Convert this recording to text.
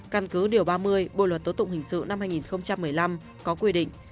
căn cứ điều ba mươi bộ luật tố tụng hình sự năm hai nghìn một mươi năm có quy định